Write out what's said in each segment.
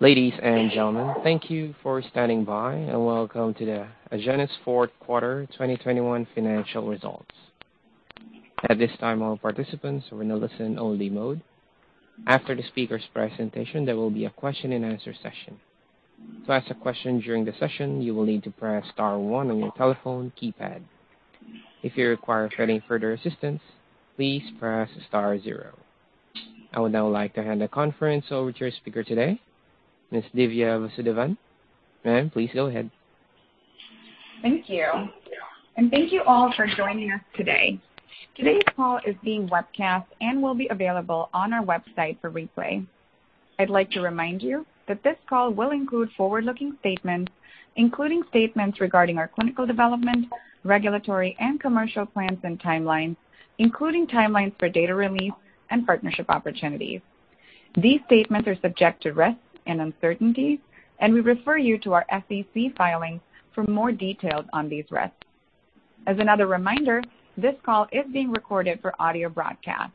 Ladies and gentlemen, thank you for standing by, and welcome to the Agenus fourth quarter 2021 financial results. At this time, all participants are in a listen-only mode. After the speaker's presentation, there will be a question-and-answer session. To ask a question during the session, you will need to press star one on your telephone keypad. If you require any further assistance, please press star zero. I would now like to hand the conference over to our speaker today, Ms. Divya Vasudevan. Ma'am, please go ahead. Thank you. Thank you all for joining us today. Today's call is being webcast and will be available on our website for replay. I'd like to remind you that this call will include forward-looking statements, including statements regarding our clinical development, regulatory, and commercial plans and timelines, including timelines for data release and partnership opportunities. These statements are subject to risks and uncertainties, and we refer you to our SEC filings for more details on these risks. As another reminder, this call is being recorded for audio broadcast.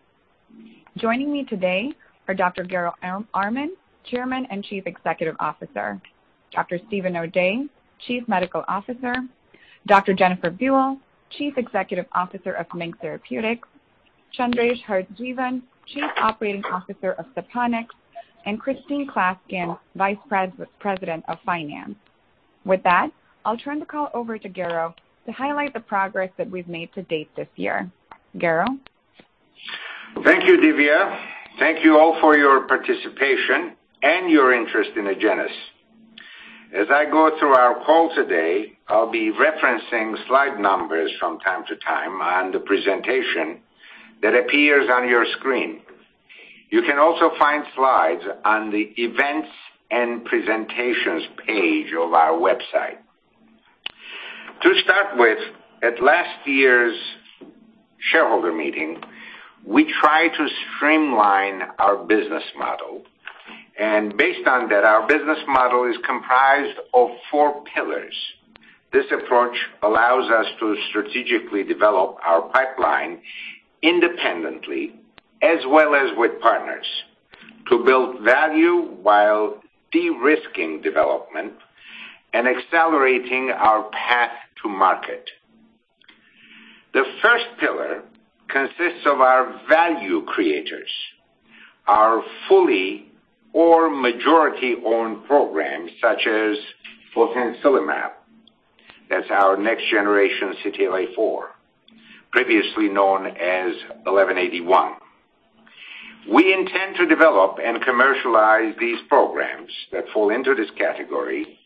Joining me today are Dr. Garo Armen, Chairman and Chief Executive Officer, Dr. Steven O'Day, Chief Medical Officer, Dr. Jennifer Buell, Chief Executive Officer of MiNK Therapeutics, Chandresh Harjivan, Chief Operating Officer of SaponiQx, and Christine Klaskin, Vice President of Finance. With that, I'll turn the call over to Garo to highlight the progress that we've made to date this year. Garo? Thank you, Divya. Thank you all for your participation and your interest in Agenus. As I go through our call today, I'll be referencing slide numbers from time to time on the presentation that appears on your screen. You can also find slides on the Events and Presentations page of our website. To start with, at last year's shareholder meeting, we tried to streamline our business model, and based on that, our business model is comprised of four pillars. This approach allows us to strategically develop our pipeline independently as well as with partners to build value while de-risking development and accelerating our path to market. The first pillar consists of our value creators, our fully or majority-owned programs such as Botensilimab. That's our next-generation CTLA-4, previously known as 1181. We intend to develop and commercialize these programs that fall into this category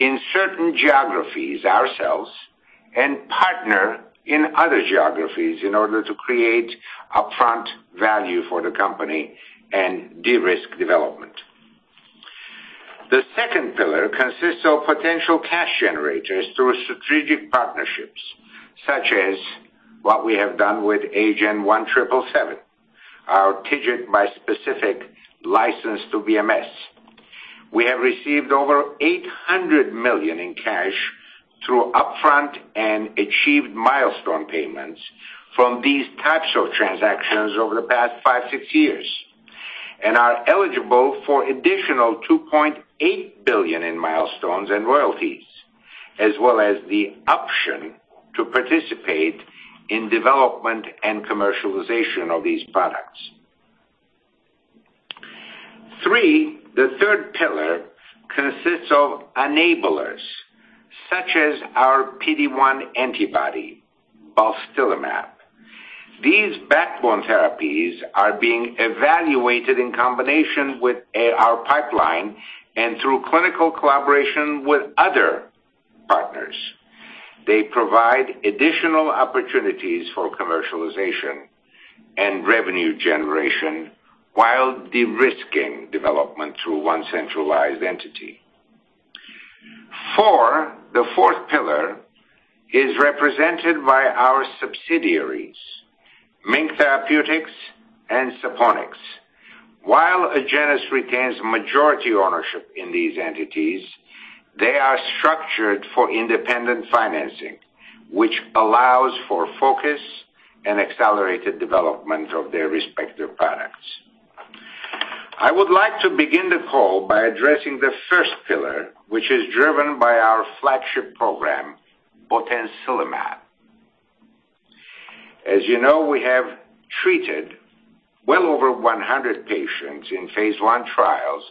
in certain geographies ourselves and partner in other geographies in order to create upfront value for the company and de-risk development. The second pillar consists of potential cash generators through strategic partnerships, such as what we have done with AGEN1777, our TIGIT bispecific licensed to BMS. We have received over $800 million in cash through upfront and achieved milestone payments from these types of transactions over the past five to six years, and are eligible for additional $2.8 billion in milestones and royalties, as well as the option to participate in development and commercialization of these products. Three, the third pillar consists of enablers, such as our PD-1 antibody, Balstilimab. These backbone therapies are being evaluated in combination with our pipeline and through clinical collaboration with other partners. They provide additional opportunities for commercialization and revenue generation while de-risking development through one centralized entity. Four, the fourth pillar is represented by our subsidiaries, MiNK Therapeutics and SaponiQx. While Agenus retains majority ownership in these entities, they are structured for independent financing, which allows for focus and accelerated development of their respective products. I would like to begin the call by addressing the first pillar, which is driven by our flagship program, Botensilimab. As you know, we have treated well over 100 patients in phase I trials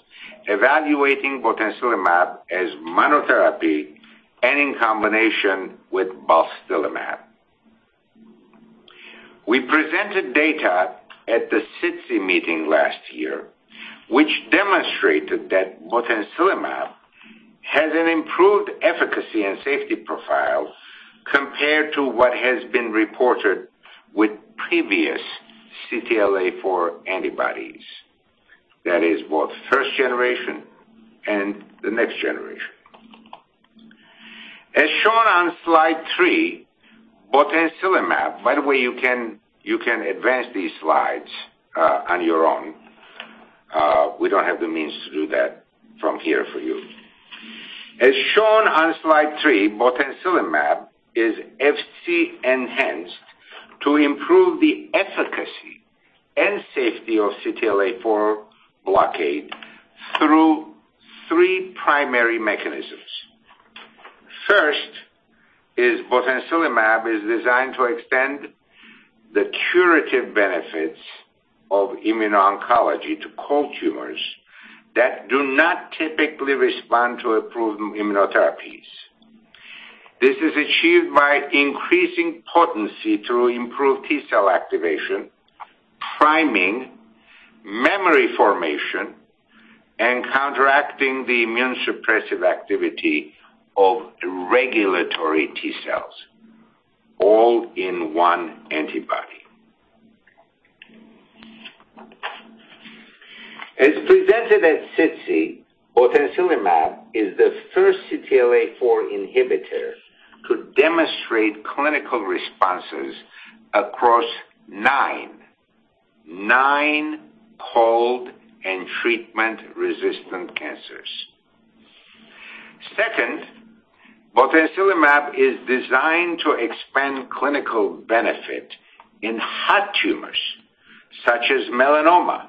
evaluating Botensilimab as monotherapy and in combination with Balstilimab. We presented data at the SITC meeting last year, which demonstrated that Botensilimab has an improved efficacy and safety profile compared to what has been reported with previous CTLA-4 antibodies. That is both first generation and the next generation. As shown on slide three, Botensilimab... By the way, you can advance these slides on your own. We don't have the means to do that from here for you. As shown on slide three, botensilimab is FC enhanced to improve the efficacy and safety of CTLA-4 blockade through three primary mechanisms. First is botensilimab is designed to extend the curative benefits of immuno-oncology to cold tumors that do not typically respond to approved immunotherapies. This is achieved by increasing potency to improve T-cell activation, priming memory formation, and counteracting the immune suppressive activity of regulatory T-cells, all in one antibody. As presented at SITC, botensilimab is the first CTLA-4 inhibitor to demonstrate clinical responses across nine cold and treatment-resistant cancers. Second, botensilimab is designed to expand clinical benefit in hot tumors such as melanoma,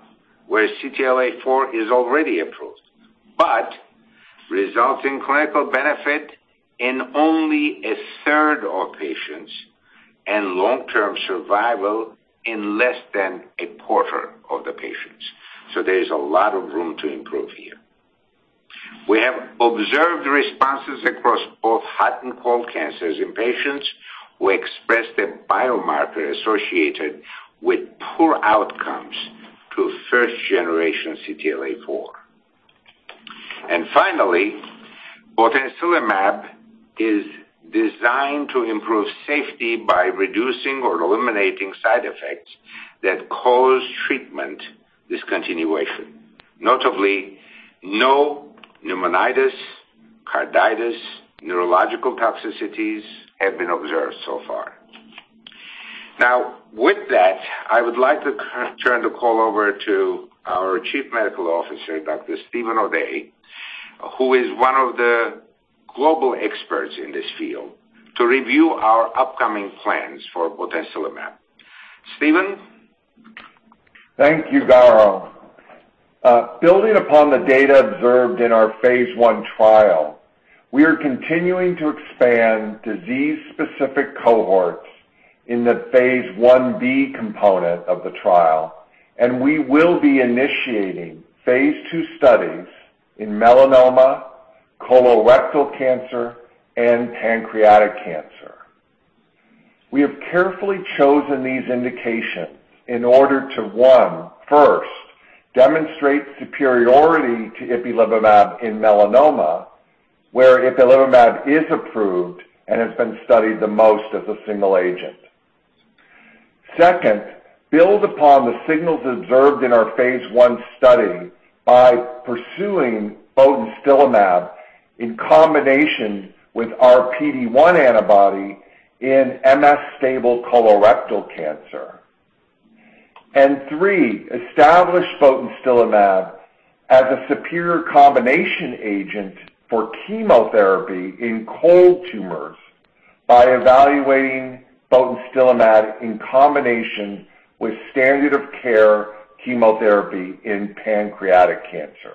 where CTLA-4 is already approved, but results in clinical benefit in only a third of patients and long-term survival in less than a quarter of the patients. There is a lot of room to improve here. We have observed responses across both hot and cold cancers in patients who expressed a biomarker associated with poor outcomes to first generation CTLA-4. Finally, botensilimab is designed to improve safety by reducing or eliminating side effects that cause treatment discontinuation. Notably, no pneumonitis, carditis, neurological toxicities have been observed so far. Now, with that, I would like to turn the call over to our Chief Medical Officer, Dr. Steven O'Day, who is one of the global experts in this field, to review our upcoming plans for botensilimab. Steven? Thank you, Garo. Building upon the data observed in our phase I trial, we are continuing to expand disease-specific cohorts in the phase I-B component of the trial, and we will be initiating phase II studies in melanoma, colorectal cancer, and pancreatic cancer. We have carefully chosen these indications in order to, one, first, demonstrate superiority to Ipilimumab in melanoma, where Ipilimumab is approved and has been studied the most as a single agent. Second, build upon the signals observed in our phase I study by pursuing botensilimab in combination with our PD-1 antibody in MSS colorectal cancer. And three, establish botensilimab as a superior combination agent for chemotherapy in cold tumors by evaluating botensilimab in combination with standard of care chemotherapy in pancreatic cancer.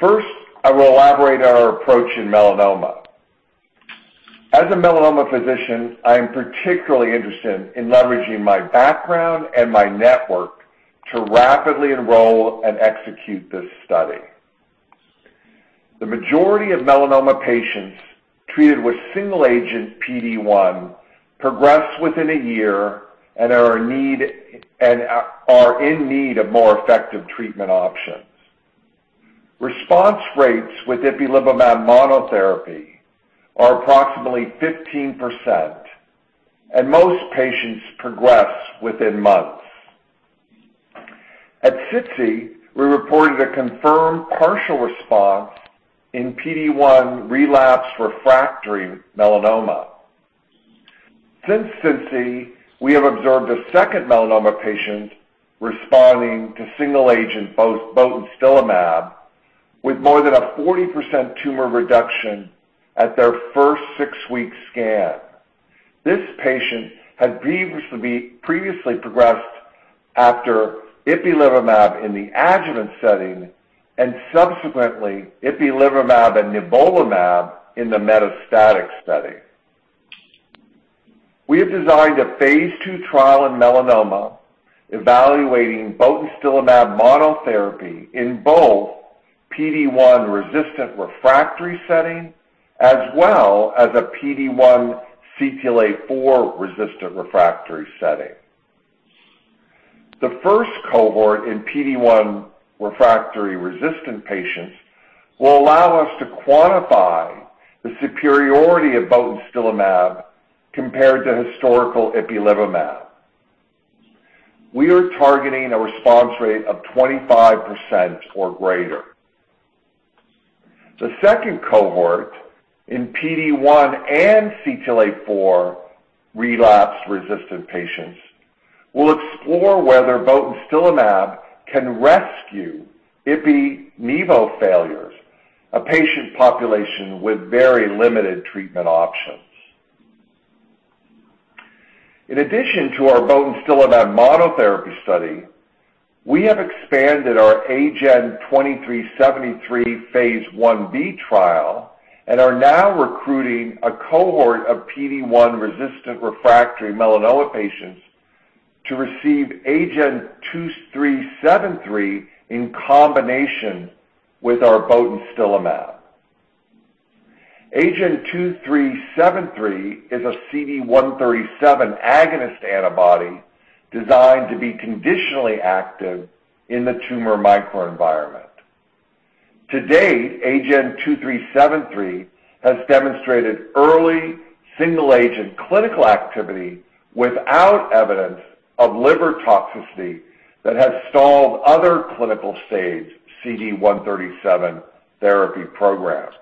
First, I will elaborate on our approach in melanoma. As a melanoma physician, I am particularly interested in leveraging my background and my network to rapidly enroll and execute this study. The majority of melanoma patients treated with single-agent PD-1 progress within a year and are in need of more effective treatment options. Response rates with ipilimumab monotherapy are approximately 15%, and most patients progress within months. At SITC, we reported a confirmed partial response in PD-1 relapsed refractory melanoma. Since SITC, we have observed a second melanoma patient responding to single-agent botensilimab with more than 40% tumor reduction at their first six-week scan. This patient had previously progressed after ipilimumab in the adjuvant setting and subsequently ipilimumab and nivolumab in the metastatic study. We have designed a phase II trial in melanoma evaluating botensilimab monotherapy in both PD-1-resistant refractory setting as well as a PD-1 CTLA-4-resistant refractory setting. The first cohort in PD-1 refractory-resistant patients will allow us to quantify the superiority of botensilimab compared to historical Ipilimumab. We are targeting a response rate of 25% or greater. The second cohort in PD-1 and CTLA-4 relapse-resistant patients. We'll explore whether botensilimab can rescue Ipi-Nivo failures, a patient population with very limited treatment options. In addition to our botensilimab monotherapy study, we have expanded our agent 2373 phase Ib trial and are now recruiting a cohort of PD-1 resistant refractory melanoma patients to receive agent 2373 in combination with our botensilimab. Agent 2373 is a CD137 agonist antibody designed to be conditionally active in the tumor microenvironment. To date, agent 2373 has demonstrated early single-agent clinical activity without evidence of liver toxicity that has stalled other clinical stage CD137 therapy programs.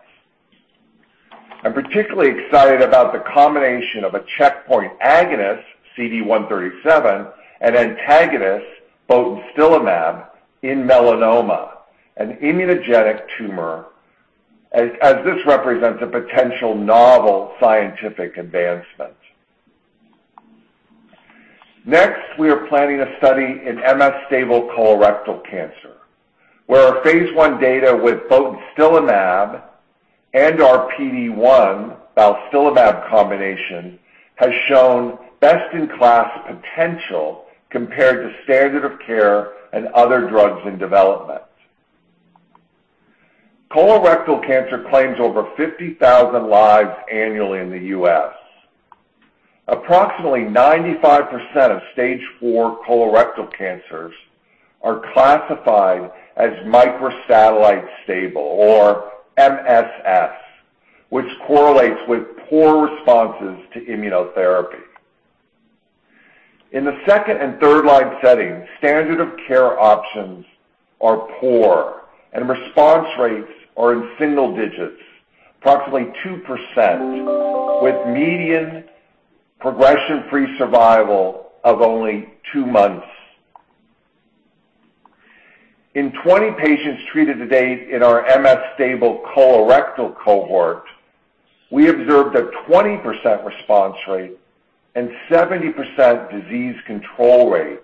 I'm particularly excited about the combination of a checkpoint agonist CD137 and antagonist Botensilimab in melanoma, an immunogenic tumor, as this represents a potential novel scientific advancement. Next, we are planning a study in MSS-stable colorectal cancer, where our phase I data with Botensilimab and our PD-1 Balstilimab combination has shown best-in-class potential compared to standard of care and other drugs in development. Colorectal cancer claims over 50,000 lives annually in the U.S. Approximately 95% of stage IV colorectal cancers are classified as microsatellite stable, or MSS, which correlates with poor responses to immunotherapy. In the second- and third-line setting, standard of care options are poor and response rates are in single digits, approximately 2% with median progression-free survival of only two months. In 20 patients treated to date in our MSS stable colorectal cohort, we observed a 20% response rate and 70% disease control rate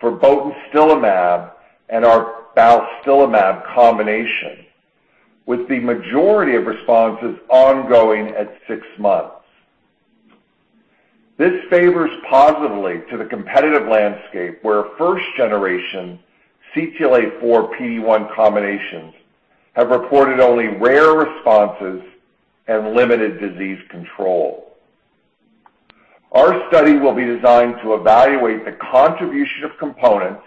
for botensilimab and our Balstilimab combination, with the majority of responses ongoing at six months. This favors positively to the competitive landscape where first generation CTLA-4 PD-1 combinations have reported only rare responses and limited disease control. Our study will be designed to evaluate the contribution of components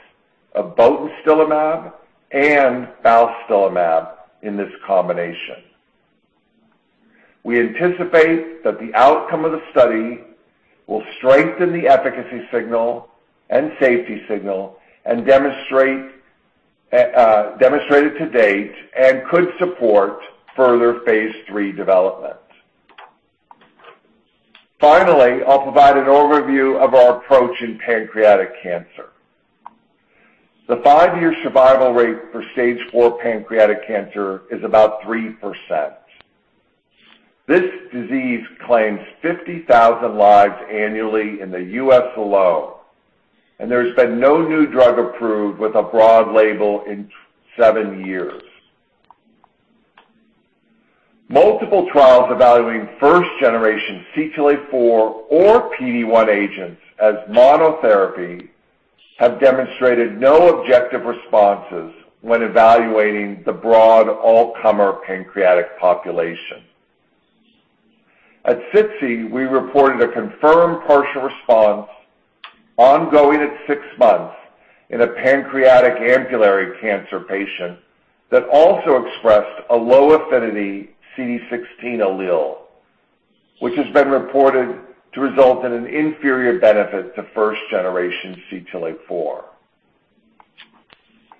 of botensilimab and Balstilimab in this combination. We anticipate that the outcome of the study will strengthen the efficacy signal and safety signal and demonstrate demonstrated to date and could support further phase III development. Finally, I'll provide an overview of our approach in pancreatic cancer. The five-year survival rate for stage IV pancreatic cancer is about 3%. This disease claims 50,000 lives annually in the U.S. alone, and there's been no new drug approved with a broad label in seven years. Multiple trials evaluating first generation CTLA-4 or PD-1 agents as monotherapy have demonstrated no objective responses when evaluating the broad all-comer pancreatic population. At SITC, we reported a confirmed partial response ongoing at six months in a pancreatic ampullary cancer patient that also expressed a low affinity CD16 allele, which has been reported to result in an inferior benefit to first generation CTLA-4.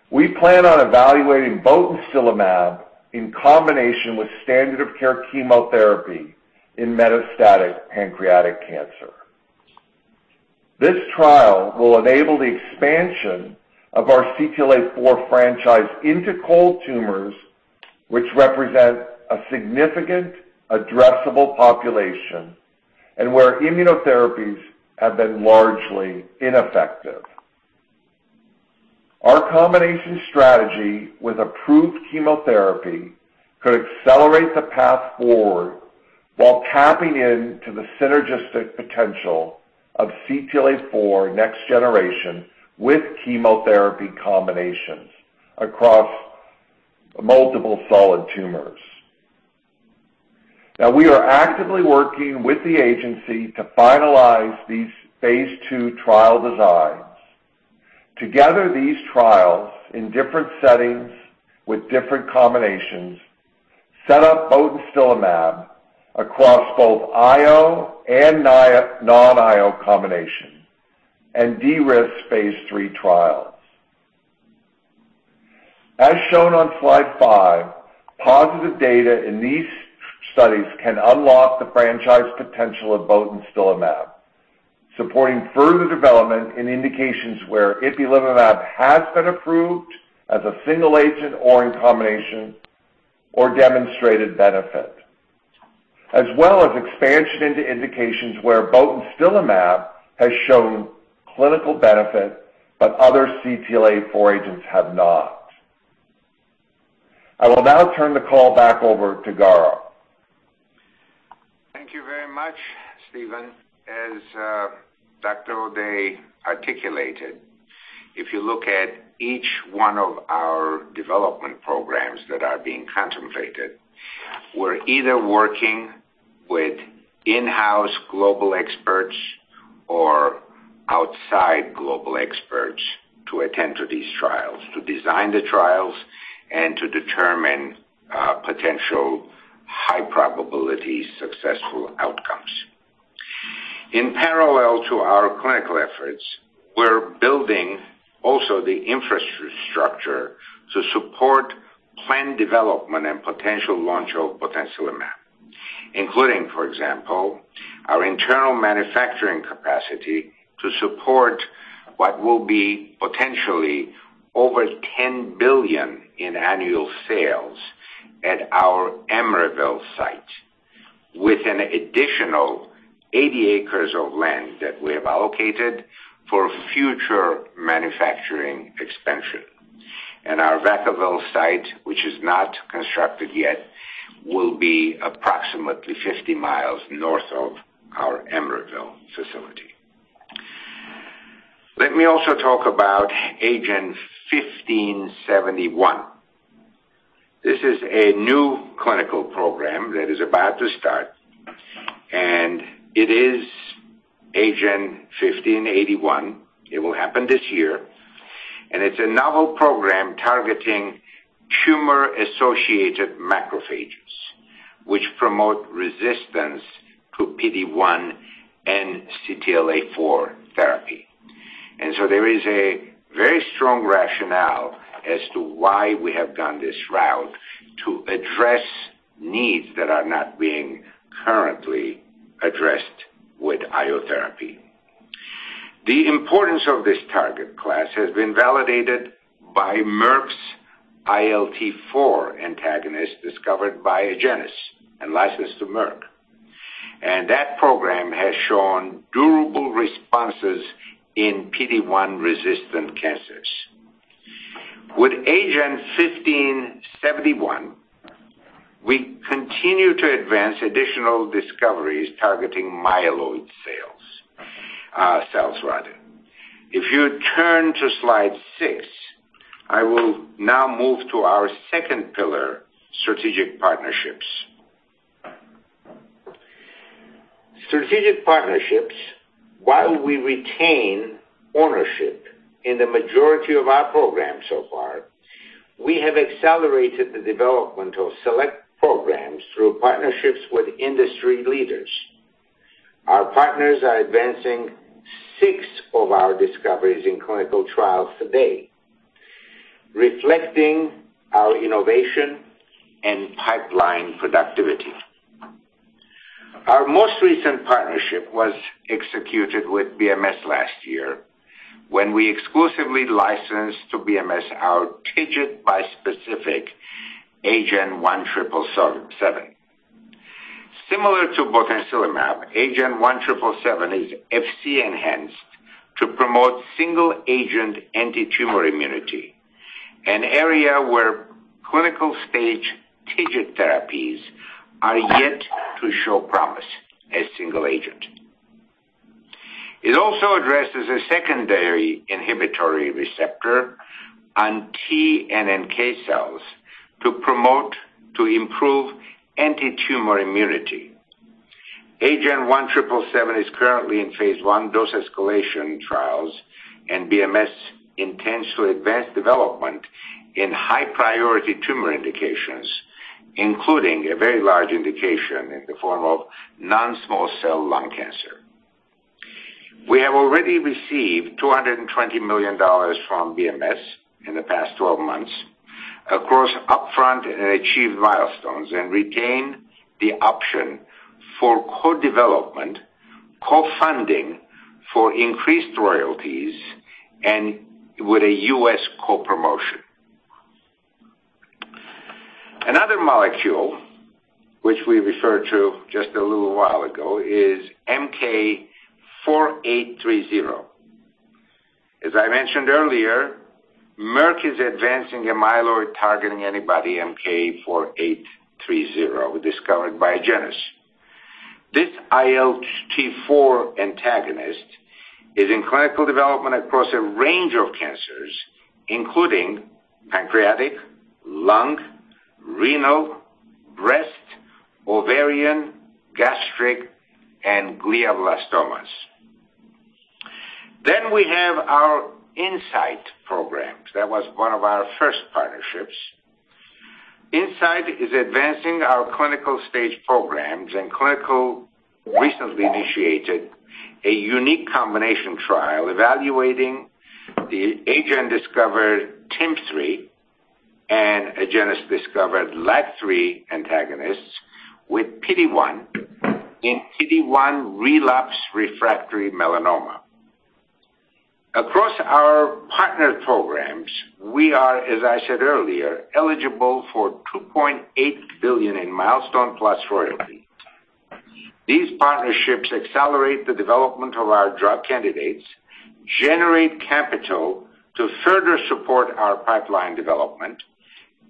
We plan on evaluating botensilimab in combination with standard of care chemotherapy in metastatic pancreatic cancer. This trial will enable the expansion of our CTLA-4 franchise into cold tumors, which represent a significant addressable population and where immunotherapies have been largely ineffective. Our combination strategy with approved chemotherapy could accelerate the path forward while tapping into the synergistic potential of CTLA-4 next generation with chemotherapy combinations across multiple solid tumors. Now we are actively working with the agency to finalize these phase II trial designs. Together these trials in different settings with different combinations set up botensilimab across both IO and non-IO combination and de-risk phase III trials. As shown on slide five, positive data in these studies can unlock the franchise potential of botensilimab, supporting further development in indications where Ipilimumab has been approved as a single agent or in combination or demonstrated benefit, as well as expansion into indications where botensilimab has shown clinical benefit, but other CTLA-4 agents have not. I will now turn the call back over to Garo. Thank you very much, Steven. As Dr. O'Day articulated, if you look at each one of our development programs that are being contemplated, we're either working with in-house global experts or outside global experts to attend to these trials, to design the trials and to determine potential high probability successful outcomes. In parallel to our clinical efforts, we're building also the infrastructure to support plan development and potential launch of botensilimab, including, for example, our internal manufacturing capacity to support what will be potentially over $10 billion in annual sales at our Emeryville site, with an additional 80 acres of land that we have allocated for future manufacturing expansion. Our Vacaville site, which is not constructed yet, will be approximately 50 miles north of our Emeryville facility. Let me also talk about AGN 1571. This is a new clinical program that is about to start, and it is AGEN1571. It will happen this year, and it's a novel program targeting tumor-associated macrophages, which promote resistance to PD-1 and CTLA-4 therapy. There is a very strong rationale as to why we have gone this route to address needs that are not being currently addressed with IO therapy. The importance of this target class has been validated by Merck's ILT-4 antagonist discovered by Agenus and licensed to Merck. That program has shown durable responses in PD-1-resistant cancers. With AGEN1571, we continue to advance additional discoveries targeting myeloid cells, rather. If you turn to slide six, I will now move to our second pillar, strategic partnerships. Strategic partnerships, while we retain ownership in the majority of our programs so far, we have accelerated the development of select programs through partnerships with industry leaders. Our partners are advancing six of our discoveries in clinical trials today, reflecting our innovation and pipeline productivity. Our most recent partnership was executed with BMS last year when we exclusively licensed to BMS our TIGIT bispecific AGEN1777. Similar to botensilimab, AGEN1777 is FC enhanced to promote single agent antitumor immunity, an area where clinical stage TIGIT therapies are yet to show promise as single agent. It also addresses a secondary inhibitory receptor on T and NK cells to promote to improve antitumor immunity. AGEN1777 is currently in phase I dose escalation trials, and BMS intends to advance development in high-priority tumor indications, including a very large indication in the form of non-small cell lung cancer. We have already received $220 million from BMS in the past 12 months across upfront and achieved milestones and retained the option for co-development, co-funding for increased royalties and with a U.S. co-promotion. Another molecule which we referred to just a little while ago is MK-4830. As I mentioned earlier, Merck is advancing a myeloid-targeting antibody, MK-4830, discovered by Agenus. This ILT-4 antagonist is in clinical development across a range of cancers, including pancreatic, lung, renal, breast, ovarian, gastric, and glioblastomas. We have our Insight programs. That was one of our first partnerships. Incyte is advancing our clinical stage programs, and Incyte recently initiated a unique combination trial evaluating the Agenus-discovered TIM-3 and Agenus-discovered LAG-3 antagonists with PD-1 in PD-1 relapsed refractory melanoma. Across our partner programs, we are, as I said earlier, eligible for $2.8 billion in milestone plus royalties. These partnerships accelerate the development of our drug candidates, generate capital to further support our pipeline development,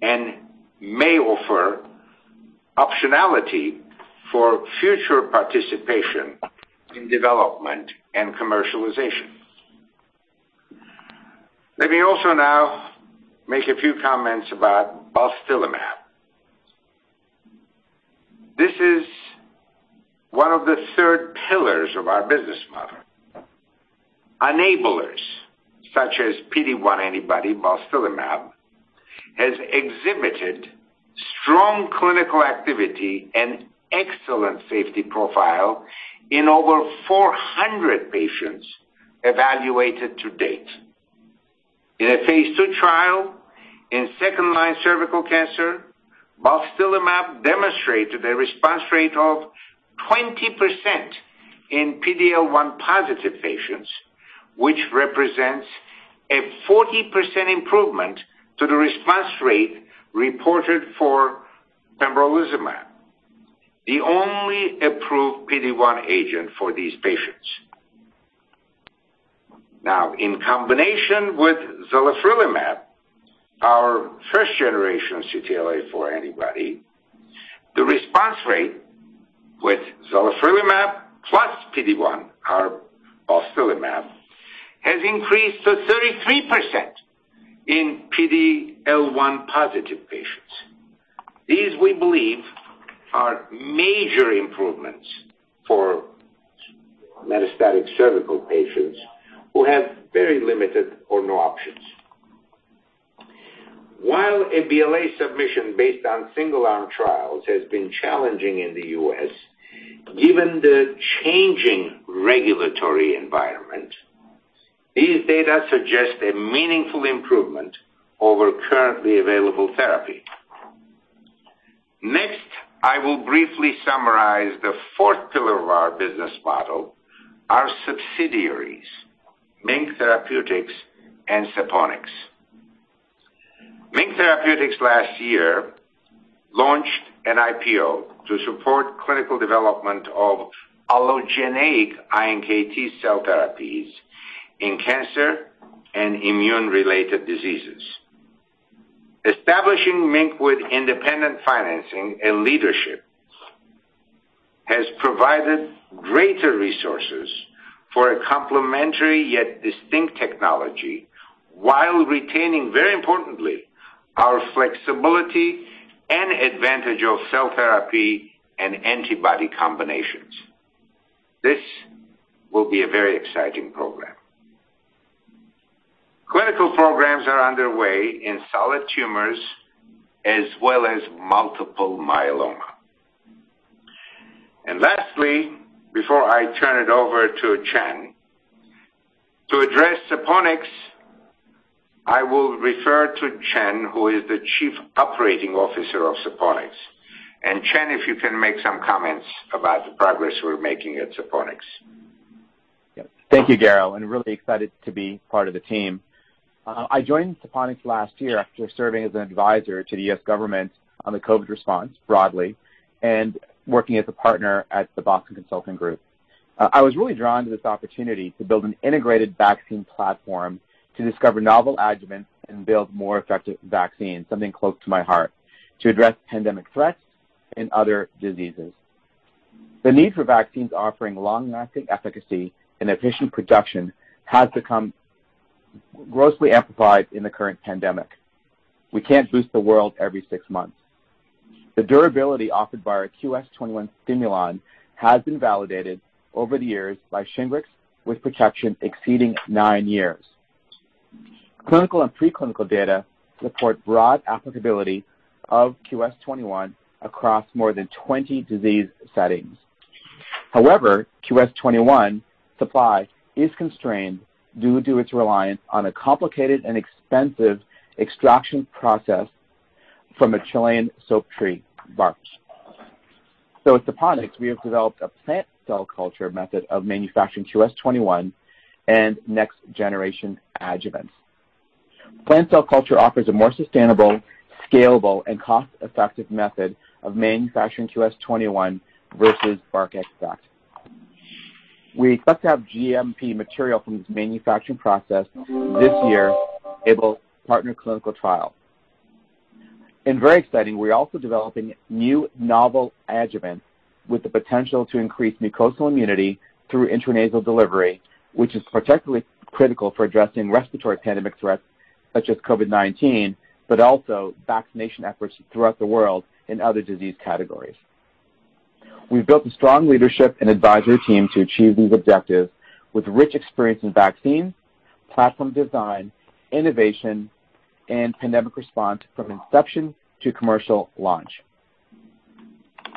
and may offer optionality for future participation in development and commercialization. Let me also now make a few comments about Balstilimab. This is one of the third pillars of our business model. Enablers such as PD-1 antibody Balstilimab has exhibited strong clinical activity and excellent safety profile in over 400 patients evaluated to date. In a phase II trial in second-line cervical cancer, Balstilimab demonstrated a response rate of 20% in PD-L1 positive patients, which represents a 40% improvement to the response rate reported for Pembrolizumab, the only approved PD-1 agent for these patients. Now, in combination with Zalifrelimab, our first-generation CTLA-4 antibody, the response rate with Zalifrelimab plus PD-1, our Balstilimab, has increased to 33% in PD-L1 positive patients. These, we believe, are major improvements for metastatic cervical patients who have very limited or no options. While a BLA submission based on single-arm trials has been challenging in the U.S., given the changing regulatory environment, these data suggest a meaningful improvement over currently available therapy. Next, I will briefly summarize the fourth pillar of our business model, our subsidiaries, MiNK Therapeutics and SaponiQx. MiNK Therapeutics last year launched an IPO to support clinical development of allogeneic iNKT cell therapies in cancer and immune-related diseases. Establishing MiNK with independent financing and leadership has provided greater resources for a complementary yet distinct technology, while retaining, very importantly, our flexibility and advantage of cell therapy and antibody combinations. This will be a very exciting program. Clinical programs are underway in solid tumors as well as multiple myeloma. Lastly, before I turn it over to Chan. To address SaponiQx, I will refer to Chan, who is the Chief Operating Officer of SaponiQx. Chan, if you can make some comments about the progress we're making at SaponiQx. Yes. Thank you, Garo, and really excited to be part of the team. I joined SaponiQx last year after serving as an advisor to the U.S. government on the COVID response broadly, and working as a partner at the Boston Consulting Group. I was really drawn to this opportunity to build an integrated vaccine platform to discover novel adjuvants and build more effective vaccines, something close to my heart, to address pandemic threats and other diseases. The need for vaccines offering long-lasting efficacy and efficient production has become grossly amplified in the current pandemic. We can't boost the world every six months. The durability offered by our QS-21 STIMULON has been validated over the years by Shingrix, with protection exceeding nine years. Clinical and preclinical data support broad applicability of QS-21 across more than 20 disease settings. However, QS-21 supply is constrained due to its reliance on a complicated and expensive extraction process from a Chilean soap bark tree bark. At SaponiQx, we have developed a plant cell culture method of manufacturing QS-21 and next generation adjuvants. Plant cell culture offers a more sustainable, scalable, and cost-effective method of manufacturing QS-21 versus bark extract. We expect to have GMP material from this manufacturing process this year, able to partner clinical trial. Very exciting, we're also developing new novel adjuvants with the potential to increase mucosal immunity through intranasal delivery, which is particularly critical for addressing respiratory pandemic threats such as COVID-19, but also vaccination efforts throughout the world in other disease categories. We've built a strong leadership and advisory team to achieve these objectives with rich experience in vaccines, platform design, innovation, and pandemic response from inception to commercial launch.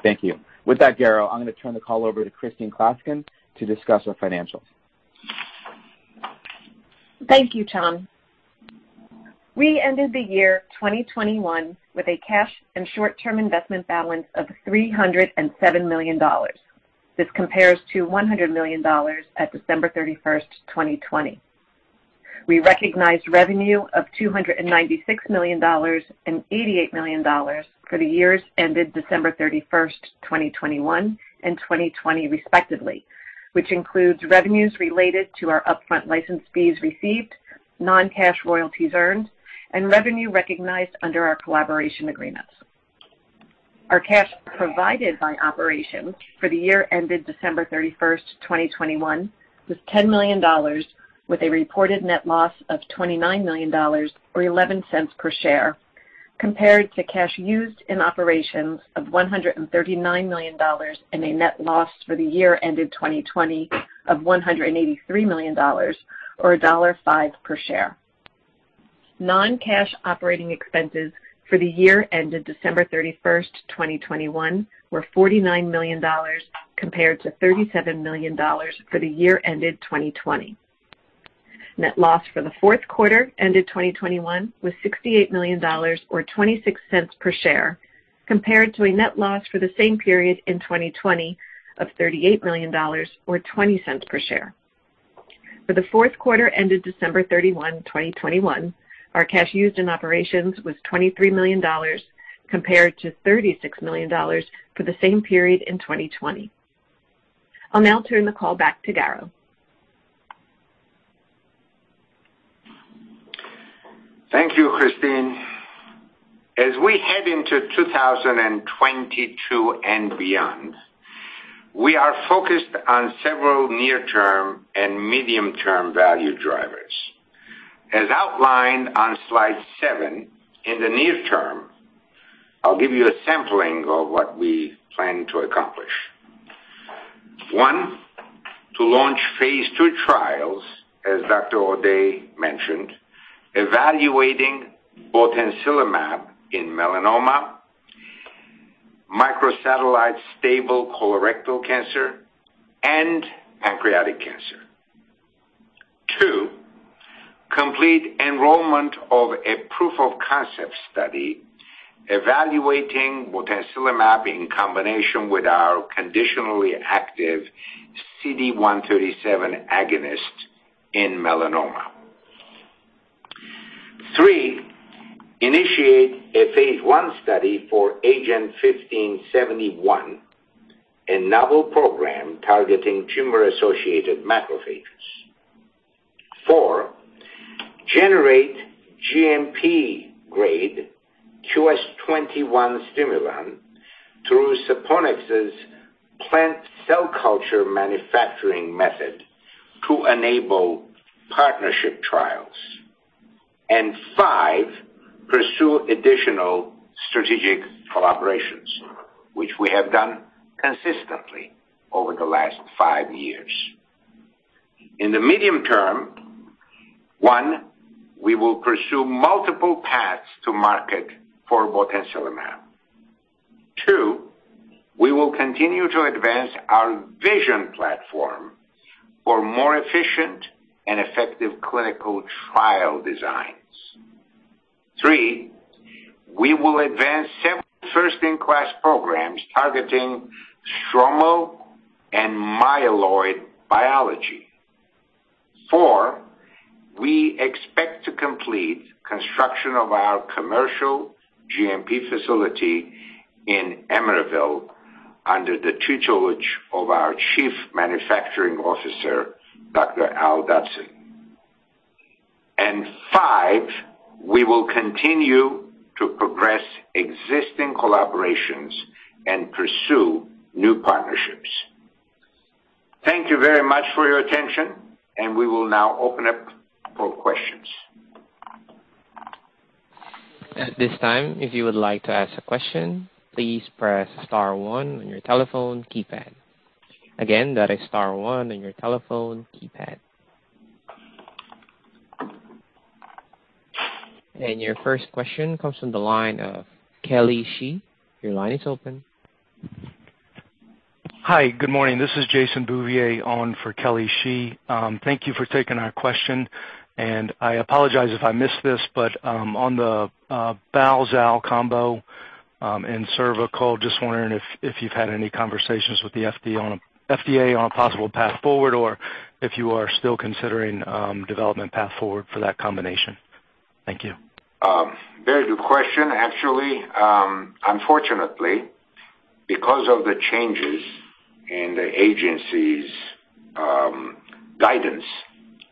Thank you. With that, Garo, I'm gonna turn the call over to Christine Klaskin to discuss our financials. Thank you, Chan. We ended the year 2021 with a cash and short-term investment balance of $307 million. This compares to $100 million at December 31st, 2020. We recognized revenue of $296 million and $88 million for the years ended December 31st, 2021 and 2020 respectively, which includes revenues related to our upfront license fees received, non-cash royalties earned, and revenue recognized under our collaboration agreements. Our cash provided by operations for the year ended December 31st, 2021 was $10 million with a reported net loss of $29 million or $0.11 per share compared to cash used in operations of $139 million and a net loss for the year ended 2020 of $183 million or $1.05 per share. Non-cash operating expenses for the year ended December 31st, 2021 were $49 million compared to $37 million for the year ended 2020. Net loss for the fourth quarter ended 2021 was $68 million or $0.26 per share compared to a net loss for the same period in 2020 of $38 million or $0.20 per share. For the fourth quarter ended December 31, 2021, our cash used in operations was $23 million compared to $36 million for the same period in 2020. I'll now turn the call back to Garo. Thank you, Christine. As we head into 2022 and beyond, we are focused on several near-term and medium-term value drivers. As outlined on slide seven in the near term, I'll give you a sampling of what we plan to accomplish. One, to launch phase II trials, as Dr. O'Day mentioned, evaluating botensilimab in melanoma, microsatellite stable colorectal cancer, and pancreatic cancer. Two, complete enrollment of a proof of concept study evaluating botensilimab in combination with our conditionally active CD137 agonist in melanoma. Three, initiate a phase I study for AGEN1571, a novel program targeting tumor-associated macrophages. Four, generate GMP-grade QS-21 STIMULON through SaponiQx's plant cell culture manufacturing method to enable partnership trials. And five, pursue additional strategic collaborations, which we have done consistently over the last five years. In the medium term, one, we will pursue multiple paths to market for botensilimab. Two, we will continue to advance our vision platform for more efficient and effective clinical trial designs. Three, we will advance several first in class programs targeting stromal and myeloid biology. Four, we expect to complete construction of our commercial GMP facility in Emeryville under the tutelage of our Chief Manufacturing Officer, Dr. Al Dadson. Five, we will continue to progress existing collaborations and pursue new partnerships. Thank you very much for your attention, and we will now open up for questions. At this time, if you would like to ask a question, please press star one on your telephone keypad. Again, that is star one on your telephone keypad. Your first question comes from the line of Kelly Shi. Your line is open. Hi, good morning. This is Jason Bouvier on for Kelly Shi. Thank you for taking our question, and I apologize if I missed this, but on the balstilimab/zalifrelimab combo in cervical, just wondering if you've had any conversations with the FDA on a possible path forward or if you are still considering development path forward for that combination. Thank you. Very good question. Actually, unfortunately, because of the changes in the agency's guidance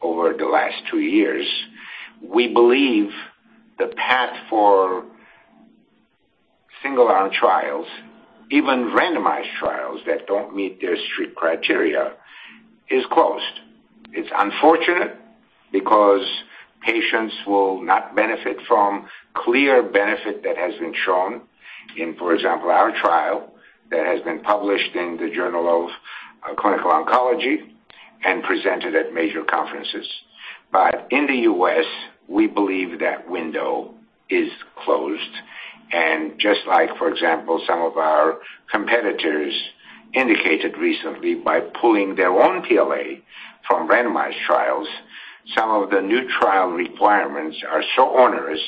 over the last two years, we believe the path for single arm trials, even randomized trials that don't meet their strict criteria is closed. It's unfortunate. Patients will not benefit from clear benefit that has been shown in, for example, our trial that has been published in the Journal of Clinical Oncology and presented at major conferences. In the U.S., we believe that window is closed. Just like, for example, some of our competitors indicated recently by pulling their own BLA from randomized trials, some of the new trial requirements are so onerous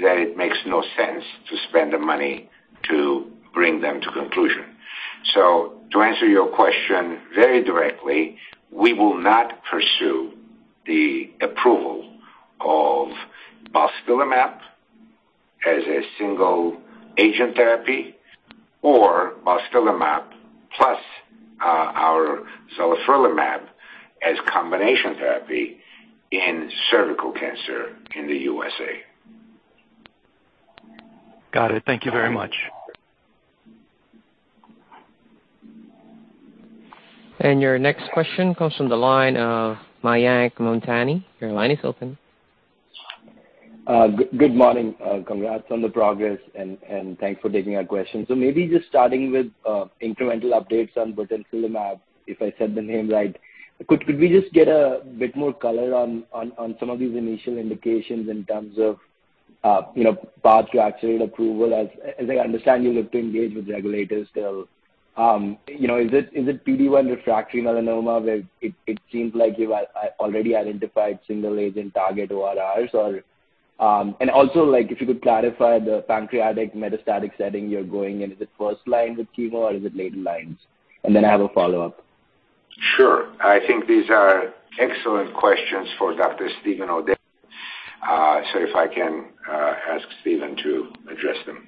that it makes no sense to spend the money to bring them to conclusion. To answer your question very directly, we will not pursue the approval of botensilimab as a single agent therapy or botensilimab plus our zalifrelimab as combination therapy in cervical cancer in the USA. Got it. Thank you very much. Your next question comes from the line of Mayank Mamtani. Your line is open. Good morning. Congrats on the progress and thanks for taking our question. Maybe just starting with incremental updates on botensilimab, if I said the name right. Could we just get a bit more color on some of these initial indications in terms of you know, path to actual approval? As I understand, you look to engage with regulators still. You know, is it PD-1 refractory melanoma, where it seems like you have already identified single agent target ORRs, or. And also like if you could clarify the pancreatic metastatic setting you're going into the first line with chemo or is it later lines? And then I have a follow-up. Sure. I think these are excellent questions for Dr. Steven O'Day. If I can ask Steven to address them.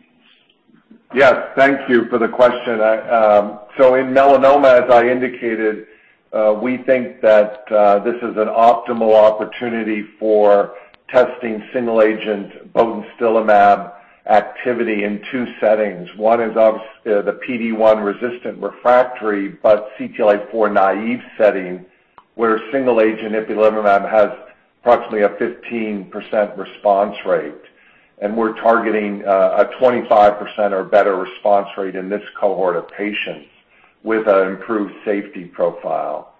Yes, thank you for the question. In melanoma, as I indicated, we think that this is an optimal opportunity for testing single agent Botensilimab activity in two settings. One is the PD-1 resistant refractory, but CTLA-4 naive setting, where single agent Ipilimumab has approximately a 15% response rate. We're targeting a 25% or better response rate in this cohort of patients with an improved safety profile.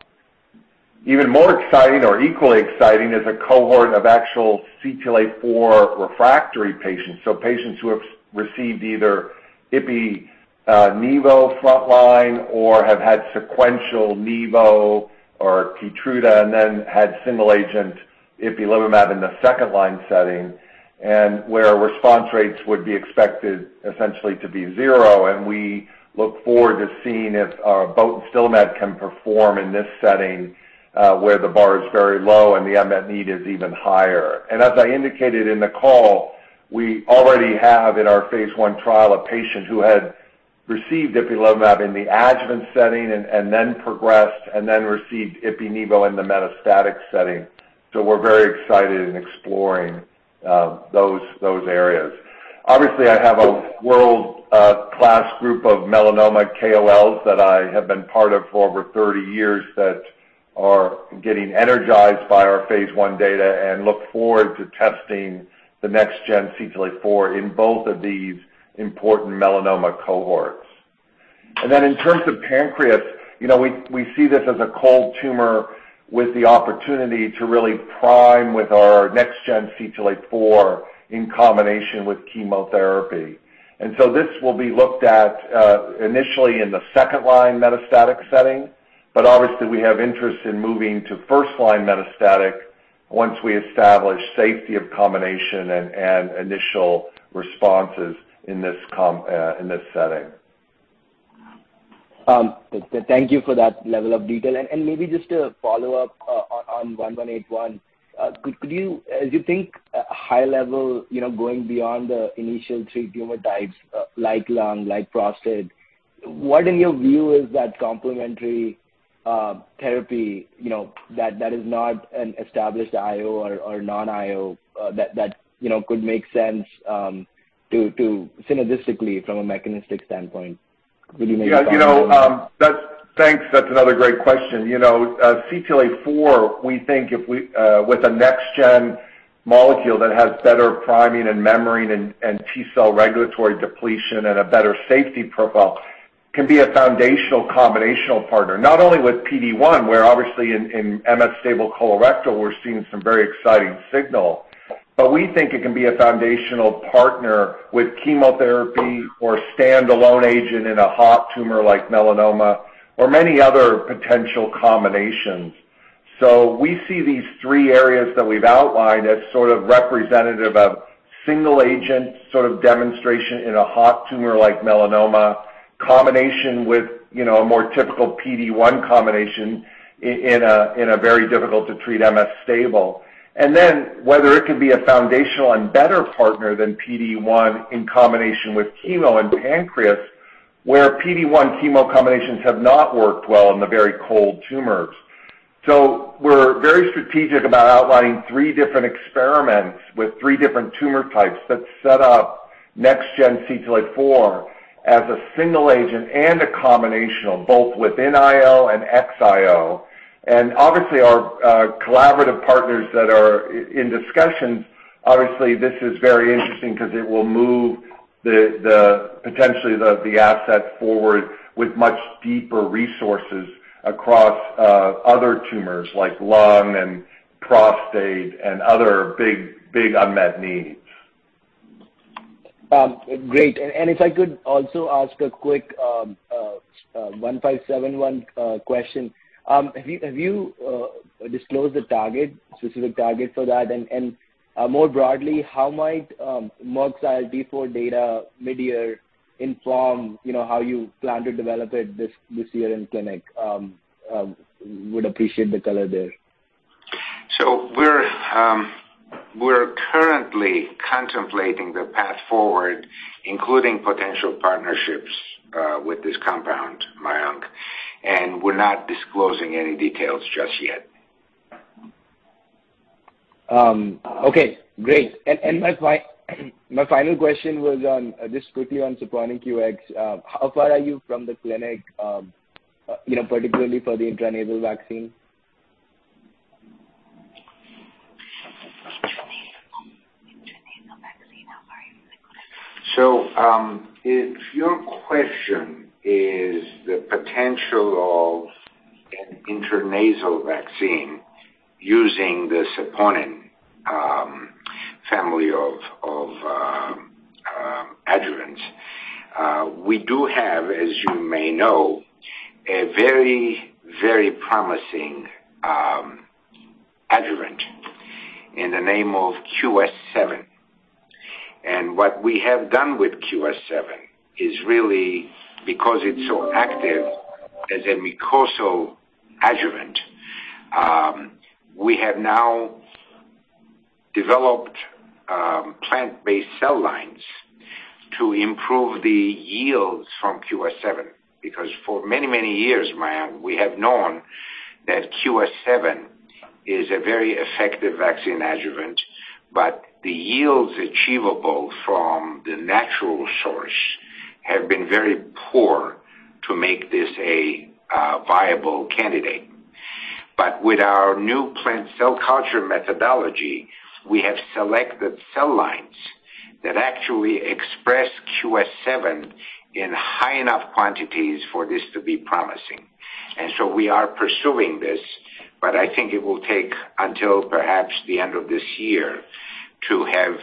Even more exciting or equally exciting is a cohort of actual CTLA-4 refractory patients. Patients who have received either Ipi-Nivo frontline or have had sequential Nivo or Keytruda and then had single agent Ipilimumab in the second line setting and where response rates would be expected essentially to be zero. We look forward to seeing if botensilimab can perform in this setting, where the bar is very low and the unmet need is even higher. As I indicated in the call, we already have in our phase I trial a patient who had received Ipilimumab in the adjuvant setting and then progressed, and then received Ipi-Nivo in the metastatic setting. We're very excited in exploring those areas. Obviously, I have a world-class group of melanoma KOLs that I have been part of for over 30 years that are getting energized by our phase I data and look forward to testing the next-gen CTLA-4 in both of these important melanoma cohorts. Then in terms of pancreas, you know, we see this as a cold tumor with the opportunity to really prime with our next gen CTLA-4 in combination with chemotherapy. This will be looked at initially in the second line metastatic setting. Obviously we have interest in moving to first line metastatic once we establish safety of combination and initial responses in this setting. Thank you for that level of detail. Maybe just a follow-up on 1181. Could you, as you think high level, you know, going beyond the initial three tumor types, like lung, like prostate, what in your view is that complementary therapy, you know, that is not an established IO or non-IO, that you know, could make sense to synergistically from a mechanistic standpoint? Could you maybe comment on that? Yeah, you know, that's—Thanks. That's another great question. You know, CTLA-4, we think if we with a next gen molecule that has better priming and memory and T-cell regulatory depletion and a better safety profile, can be a foundational combination partner, not only with PD-1, where obviously in MSS colorectal, we're seeing some very exciting signal. We think it can be a foundational partner with chemotherapy or standalone agent in a hot tumor like melanoma or many other potential combinations. We see these three areas that we've outlined as sort of representative of single agent sort of demonstration in a hot tumor like melanoma, combination with, you know, a more typical PD-1 combination in a very difficult to treat MSS. Then whether it could be a foundational and better partner than PD-1 in combination with chemo and pancreas, where PD-1 chemo combinations have not worked well in the very cold tumors. We're very strategic about outlining three different experiments with three different tumor types that set up next-gen CTLA-4 as a single agent and a combination, both within IO and ex-IO. Obviously our collaborative partners that are in discussions, obviously this is very interesting because it will move the potentially the asset forward with much deeper resources across other tumors like lung and prostate and other big unmet needs. Great. If I could also ask a quick AGEN1571 question. Have you disclosed the specific target for that? More broadly, how might MOX-ILT4 data midyear inform, you know, how you plan to develop it this year in clinic? Would appreciate the color there. We're currently contemplating the path forward, including potential partnerships, with this compound, Mayank. We're not disclosing any details just yet. Okay. Great. My final question was on, just quickly on SaponiQx. How far are you from the clinic, you know, particularly for the intranasal vaccine? If your question is the potential of an intranasal vaccine using the saponin family of adjuvants, we do have, as you may know, a very, very promising adjuvant in the name of QS-7. What we have done with QS-7 is really because it's so active as a mucosal adjuvant, we have now developed plant-based cell lines to improve the yields from QS-7. Because for many, many years, Mayank, we have known that QS-7 is a very effective vaccine adjuvant, but the yields achievable from the natural source have been very poor to make this a viable candidate. With our new plant cell culture methodology, we have selected cell lines that actually express QS-7 in high enough quantities for this to be promising. We are pursuing this, but I think it will take until perhaps the end of this year to have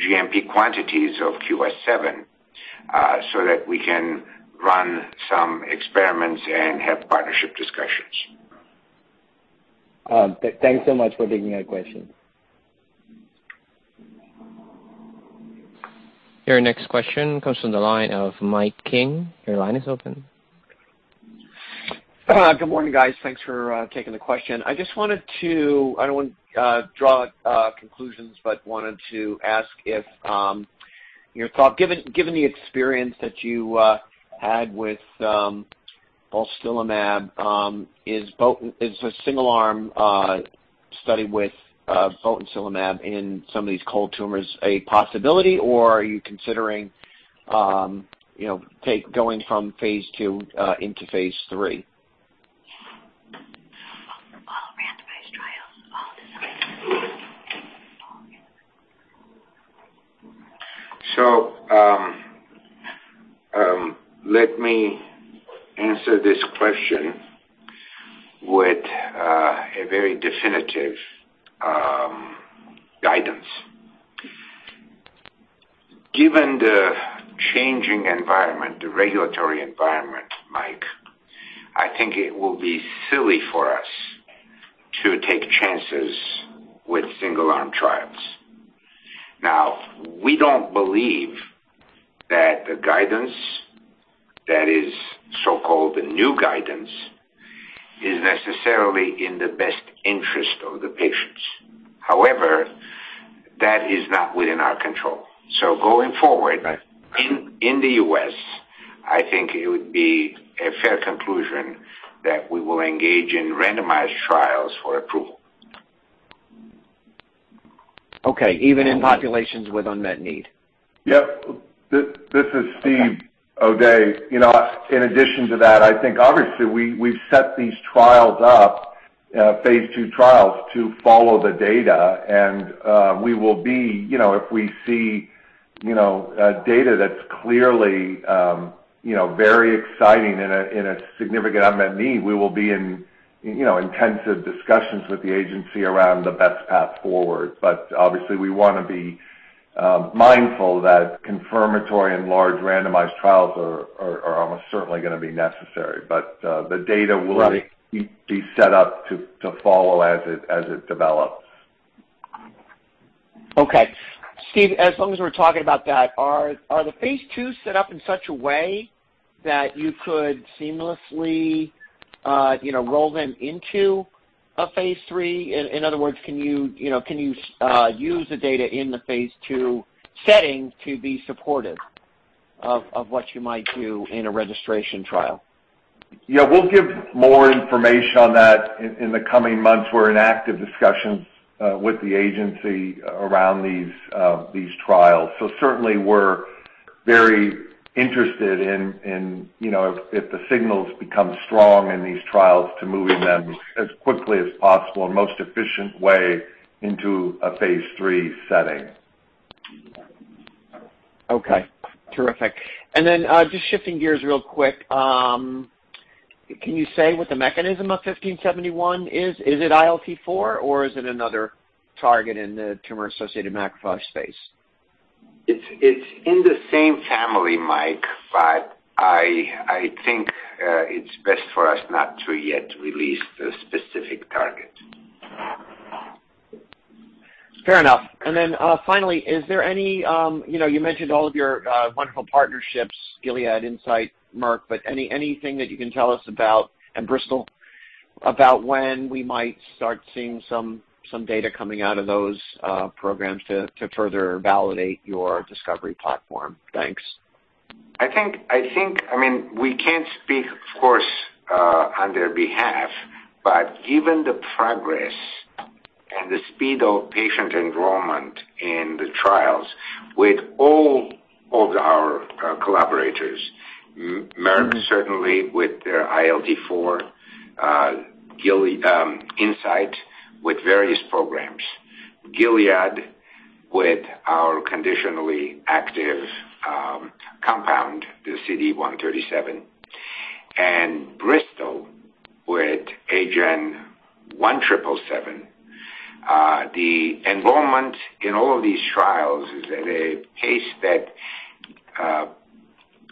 GMP quantities of QS-7, so that we can run some experiments and have partnership discussions. Thanks so much for taking that question. Your next question comes from the line of Mike King. Your line is open. Good morning, guys. Thanks for taking the question. I just wanted to ask your thought. I don't want to draw conclusions, but wanted to ask if given the experience that you had with balstilimab, is a single arm study with botensilimab in some of these cold tumors a possibility, or are you considering you know going from phase II into phase III? All randomized trials. All the Let me answer this question with a very definitive guidance. Given the changing environment, the regulatory environment, Mike, I think it will be silly for us to take chances with single-arm trials. Now, we don't believe that the guidance that is so-called the new guidance is necessarily in the best interest of the patients. However, that is not within our control. Going forward. Right. In the U.S., I think it would be a fair conclusion that we will engage in randomized trials for approval. Okay. Even in populations with unmet need? Yep. This is Steven O'Day. Okay. You know, in addition to that, I think obviously we set these trials up, phase II trials, to follow the data. We will be, you know, if we see, you know, data that's clearly, you know, very exciting in a significant unmet need, we will be in, you know, intensive discussions with the agency around the best path forward. Obviously we wanna be mindful that confirmatory and large randomized trials are almost certainly gonna be necessary. The data will be set up to follow as it develops. Okay. Steve, as long as we're talking about that, are the phase II set up in such a way that you could seamlessly, you know, roll them into a phase III? In other words, can you know, use the data in the phase II setting to be supportive of what you might do in a registration trial? Yeah, we'll give more information on that in the coming months. We're in active discussions with the agency around these trials. Certainly we're very interested in, you know, if the signals become strong in these trials to moving them as quickly as possible and most efficient way into a phase III setting. Okay. Terrific. Just shifting gears real quick. Can you say what the mechanism of 1571 is? Is it ILT-4 or is it another target in the tumor-associated macrophage space? It's in the same family, Mike, but I think it's best for us not to yet release the specific target. Fair enough. Finally, is there any, you know, you mentioned all of your wonderful partnerships, Gilead, Incyte, Merck, but anything that you can tell us about, and Bristol, about when we might start seeing some data coming out of those programs to further validate your discovery platform? Thanks. I think, I mean, we can't speak, of course, on their behalf, but given the progress and the speed of patient enrollment in the trials with all of our collaborators, Merck certainly with their ILT-4, Incyte with various programs, Gilead with our conditionally active compound, the CD137, and Bristol with AGEN1777, the enrollment in all of these trials is at a pace that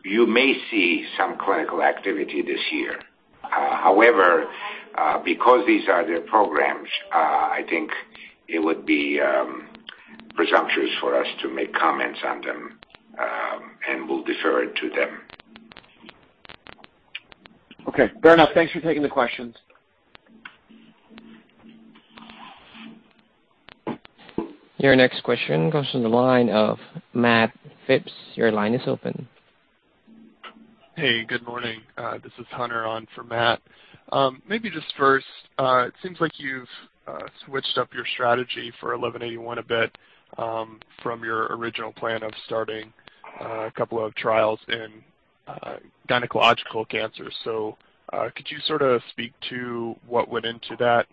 you may see some clinical activity this year. However, because these are their programs, I think it would be presumptuous for us to make comments on them, and we'll defer it to them. Okay. Fair enough. Thanks for taking the questions. Your next question comes from the line of Matt Phipps. Your line is open. Hey, good morning. This is Hunter on for Matt. Maybe just first, it seems like you've switched up your strategy for 1181 a bit, from your original plan of starting a couple of trials in gynecological cancers. Could you sort of speak to what went into that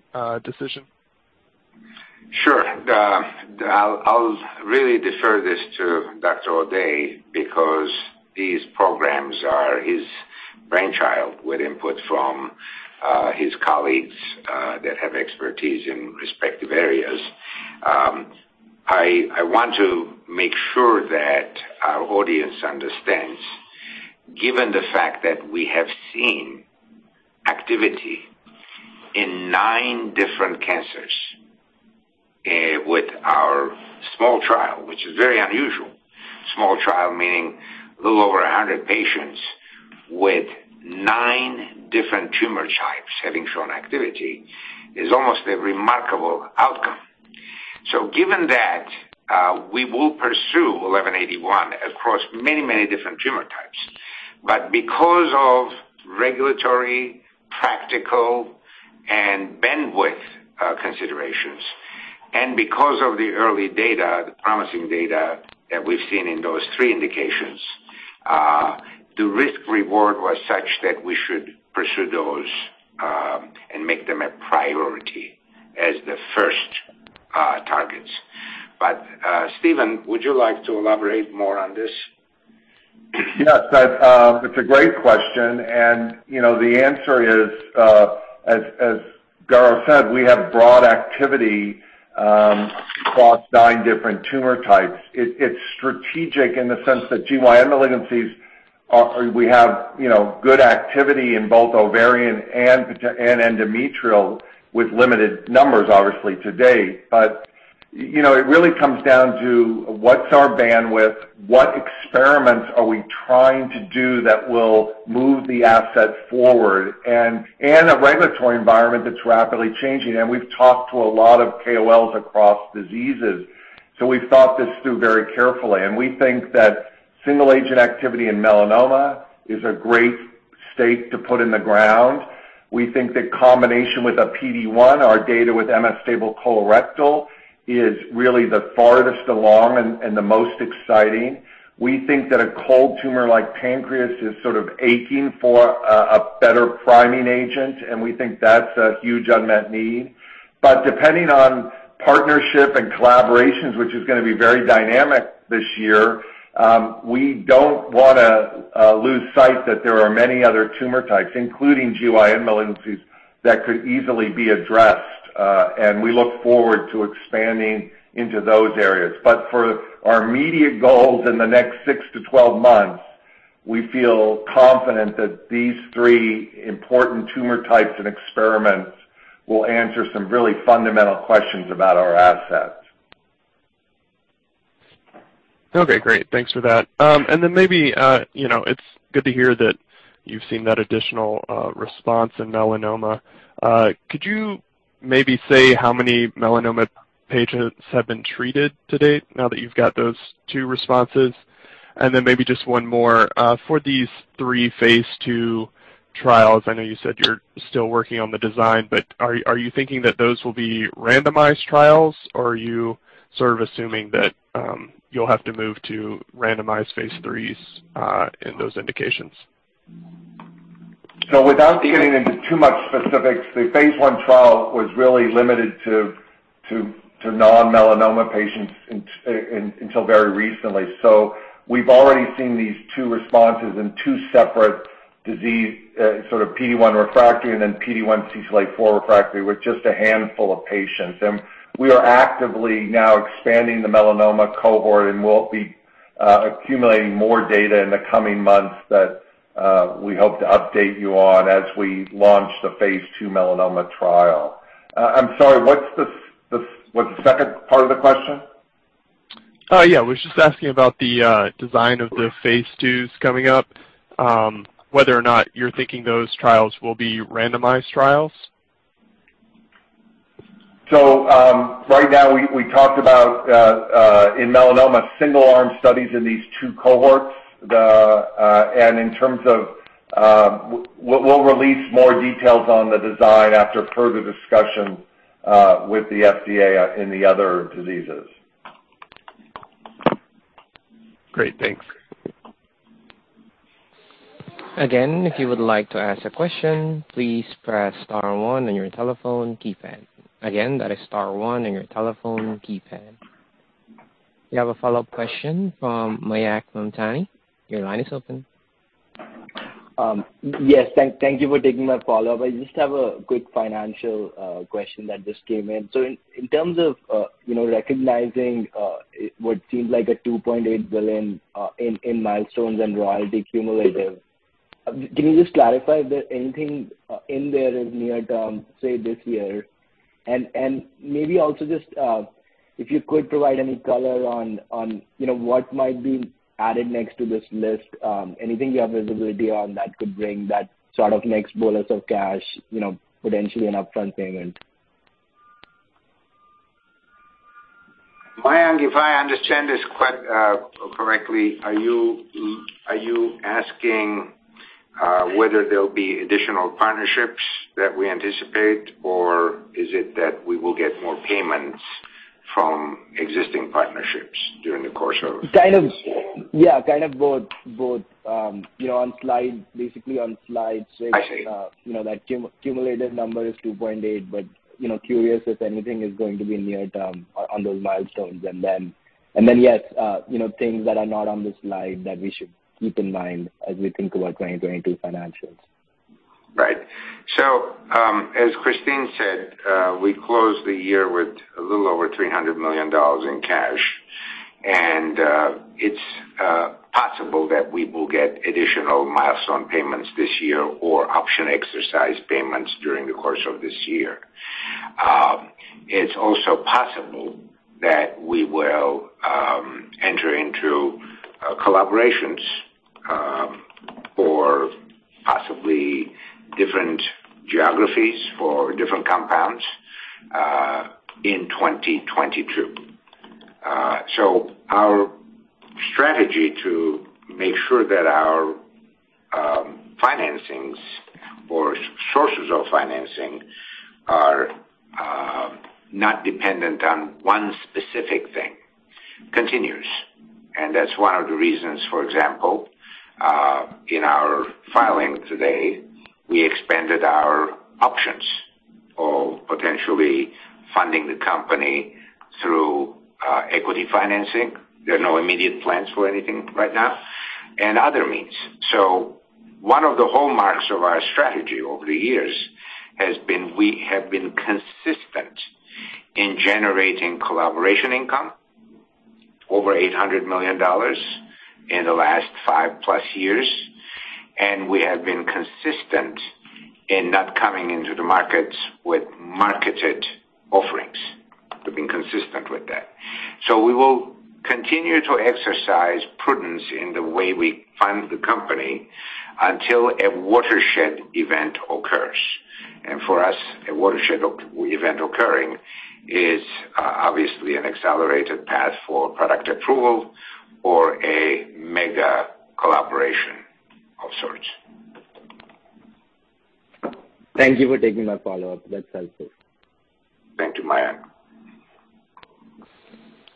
decision? Sure. I'll really defer this to Dr. O'Day because these programs are his brainchild with input from his colleagues that have expertise in respective areas. I want to make sure that our audience understands, given the fact that we have seen activity in nine different cancers with our small trial, which is very unusual, small trial meaning a little over 100 patients with nine different tumor types having shown activity, is almost a remarkable outcome. Given that, we will pursue 1181 across many, many different tumor types. Because of regulatory, practical, and bandwidth considerations, and because of the early data, the promising data that we've seen in those three indications, the risk/reward was such that we should pursue those and make them a priority as the first targets. Steven, would you like to elaborate more on this? Yes, that. It's a great question, and, you know, the answer is, as Garo said, we have broad activity across nine different tumor types. It's strategic in the sense that GYN malignancies are. We have, you know, good activity in both ovarian and metastatic and endometrial with limited numbers obviously to date. But, you know, it really comes down to what's our bandwidth, what experiments are we trying to do that will move the asset forward and a regulatory environment that's rapidly changing. We've talked to a lot of KOLs across diseases, so we've thought this through very carefully and we think that single agent activity in melanoma is a great stake to put in the ground. We think that combination with a PD-1, our data with MSS stable colorectal is really the farthest along and the most exciting. We think that a cold tumor like pancreas is sort of aching for a better priming agent, and we think that's a huge unmet need. Depending on partnership and collaborations, which is gonna be very dynamic this year, we don't wanna lose sight that there are many other tumor types, including GYN malignancies that could easily be addressed, and we look forward to expanding into those areas. For our immediate goals in the next six to 12 months, we feel confident that these three important tumor types and experiments will answer some really fundamental questions about our assets. Okay, great. Thanks for that. And then maybe, you know, it's good to hear that you've seen that additional response in melanoma. Could you maybe say how many melanoma patients have been treated to date now that you've got those two responses? And then maybe just one more. For these three phase II trials, I know you said you're still working on the design, but are you thinking that those will be randomized trials or are you sort of assuming that you'll have to move to randomized phase III in those indications? Without getting into too much specifics, the phase I trial was really limited to non-melanoma patients until very recently. We've already seen these two responses in two separate disease sort of PD-1 refractory and then PD-1/CTLA-4 refractory with just a handful of patients. We are actively now expanding the melanoma cohort, and we'll be accumulating more data in the coming months that we hope to update you on as we launch the phase II melanoma trial. I'm sorry, what's the second part of the question? Yeah. I was just asking about the design of the phase IIs coming up, whether or not you're thinking those trials will be randomized trials? Right now we talked about in melanoma single-arm studies in these two cohorts. In terms of, we'll release more details on the design after further discussion with the FDA in the other diseases. Great. Thanks. We have a follow-up question from Mayank Mamtani. Your line is open. Yes, thank you for taking my follow-up. I just have a quick financial question that just came in. In terms of, you know, recognizing what seems like $2.8 billion in milestones and royalty cumulative, can you just clarify if there's anything in there that's near term, say, this year? Maybe also just if you could provide any color on, you know, what might be added next to this list, anything you have visibility on that could bring that sort of next bolus of cash, you know, potentially an upfront payment. Mayank, if I understand this correctly, are you asking whether there'll be additional partnerships that we anticipate, or is it that we will get more payments from existing partnerships during the course of? Yeah, kind of both. You know, basically on slide six. I see. You know, that cumulative number is 2.8. You know, curious if anything is going to be near term on those milestones. Yes, you know, things that are not on this slide that we should keep in mind as we think about 2022 financials. Right. As Christine said, we closed the year with a little over $300 million in cash. It's possible that we will get additional milestone payments this year or option exercise payments during the course of this year. It's also possible that we will enter into collaborations for possibly different geographies for different compounds in 2022. Our strategy to make sure that our financings or sources of financing are not dependent on one specific thing continues. That's one of the reasons, for example, in our filing today, we expanded our options of potentially funding the company through equity financing. There are no immediate plans for anything right now, and other means. One of the hallmarks of our strategy over the years has been we have been consistent in generating collaboration income, over $800 million in the last five plus years, and we have been consistent in not coming into the markets with marketed offerings. We've been consistent with that. We will continue to exercise prudence in the way we fund the company until a watershed event occurs. For us, a watershed event occurring is obviously an accelerated path for product approval or a mega collaboration of sorts. Thank you for taking my follow-up. That's helpful. Thank you, Mayank.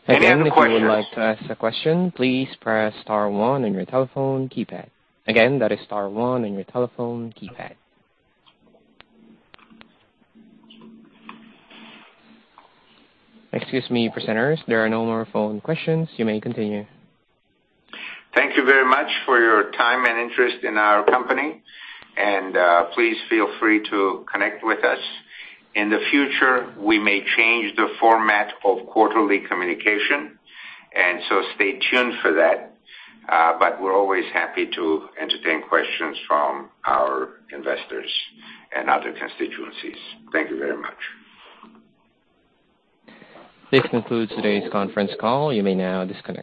Again, if you would like to ask a question, please press star one on your telephone keypad. Again, that is star one on your telephone keypad. Excuse me, presenters. There are no more phone questions. You may continue. Thank you very much for your time and interest in our company, and please feel free to connect with us. In the future, we may change the format of quarterly communication, and so stay tuned for that. But we're always happy to entertain questions from our investors and other constituencies. Thank you very much. This concludes today's conference call. You may now disconnect.